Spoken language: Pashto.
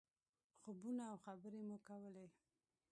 خوبونه او خبرې مو کولې.